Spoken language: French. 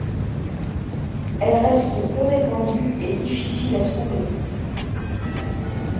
Elle reste peu répandue et difficile à trouver.